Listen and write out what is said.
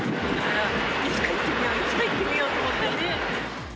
いつか行ってみよう、いつか行ってみようと思ってて。